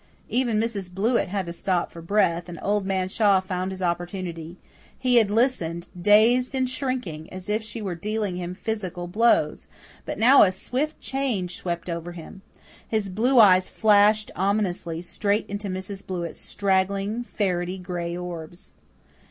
Even Mrs. Blewett had to stop for breath, and Old Man Shaw found his opportunity. He had listened, dazed and shrinking, as if she were dealing him physical blows, but now a swift change swept over him. His blue eyes flashed ominously, straight into Mrs. Blewett's straggling, ferrety gray orbs.